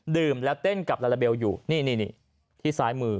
แล้วเต้นกับลาลาเบลอยู่นี่ที่ซ้ายมือ